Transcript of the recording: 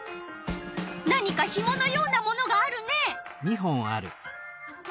何かひものようなものがあるね。